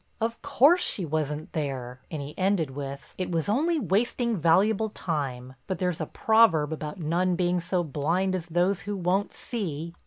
"Of course she wasn't there," and he ended with "it was only wasting valuable time, but there's a proverb about none being so blind as those who won't see."